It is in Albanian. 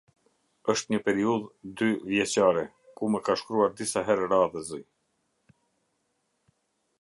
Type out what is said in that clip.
Është një periudhe dy vjeçare, ku më ka shkruar disa herë radhazi.